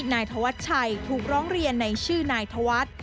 นายธวัชชัยถูกร้องเรียนในชื่อนายธวัฒน์